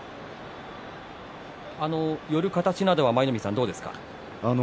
寄る形などは舞の海さんどうですか？